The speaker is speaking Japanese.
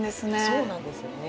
そうなんですよね。